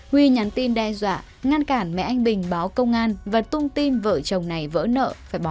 huy nhắn tin đe dọa ngăn cản mẹ anh bình báo công an và tung tin vợ chồng này vỡ nợ phải bỏ